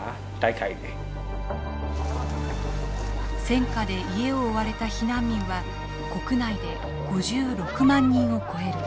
戦禍で家を追われた避難民は国内で５６万人を超える。